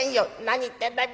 「何言ってんだい。